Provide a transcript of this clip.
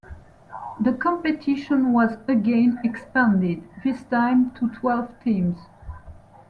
The competition was again expanded - this time to twelve teams.